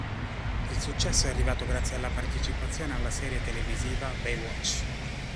Il successo è arrivato grazie alla partecipazione alla serie televisiva "Baywatch".